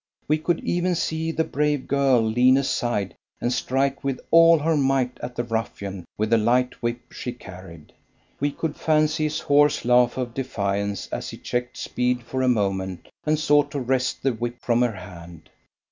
We could even see the brave girl lean aside, and strike with all her might at the ruffian with the light whip she carried. We could fancy his hoarse laugh of defiance as he checked speed for a moment, and sought to wrest the whip from her hand.